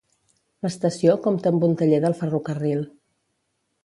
L'estació compta amb un taller del ferrocarril.